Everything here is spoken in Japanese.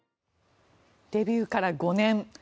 デビューから５年。